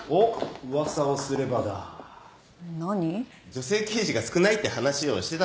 女性刑事が少ないって話をしてたんです。